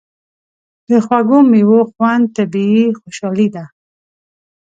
د خوږو میوو خوند طبیعي خوشالي ده.